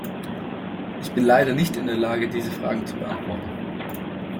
Ich bin leider nicht in der Lage, diese Fragen zu beantworten.